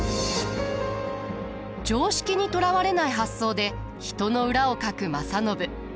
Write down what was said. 常識にとらわれない発想で人の裏をかく正信。